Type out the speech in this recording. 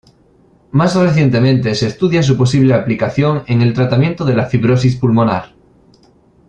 Más recientemente se estudia su posible aplicación en el tratamiento de la fibrosis pulmonar.